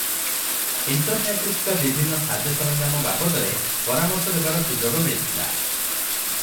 ଇଣ୍ଟରନେଟରେ ଥିବା ବିଭିନ୍ନ ସାଜସରଞ୍ଜାମ ବାବଦରେ ପରାମର୍ଶ ଦେବାର ସୁଯୋଗ ମିଳିଥିଲା ।